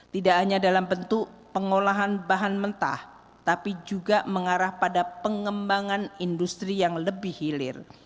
tidak hanya dalam bentuk pengolahan bahan mentah tapi juga mengarah pada pengembangan industri yang lebih hilir